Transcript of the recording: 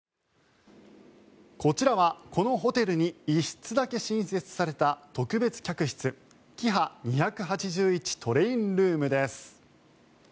こちらは、このホテルに１室だけ新設された特別客室キハ２８１トレインルームです。